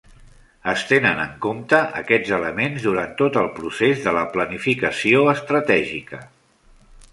Es tenen en compte aquests elements durant tot el procés de la planificació estratègica.